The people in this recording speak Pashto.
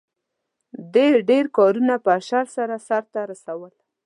دې ډېر کارونه په اشر سره سرته رسول.